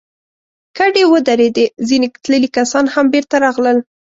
کډې ودرېدې، ځينې تللي کسان هم بېرته راغلل.